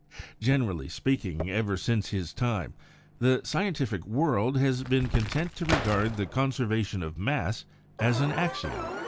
Generally speaking, ever since his time, the scientific world has been content to regard the conservation of mass as an axiom.